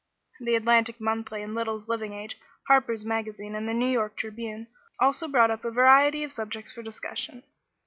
The Atlantic Monthly and Littell's Living Age, Harper's Magazine, and the New York Tribune also brought up a variety of subjects for discussion.